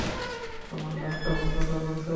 আমার ঘাড়টা খুব ব্যথা করছে।